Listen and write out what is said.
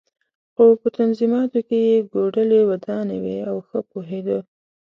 خو په نظمیاتو کې یې کوډلۍ ودانې وې او ښه پوهېده.